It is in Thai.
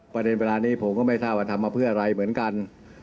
ประเด็นเวลานี้ผมก็ไม่ทราบว่าทำมาเพื่ออะไรเหมือนกัน